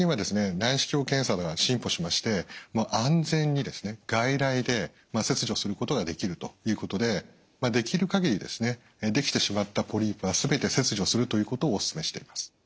内視鏡検査では進歩しまして安全に外来で切除することができるということでできる限りできてしまったポリープは全て切除するということをおすすめしています。